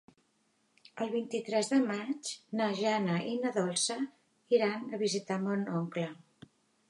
El vint-i-tres de maig na Jana i na Dolça iran a visitar mon oncle.